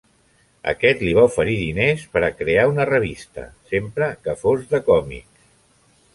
Aquest li va oferir diners per a crear una revista, sempre que fos de còmics.